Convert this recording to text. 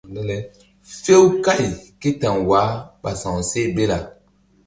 Few kày ké ta̧w wah ɓa sa̧wseh bela.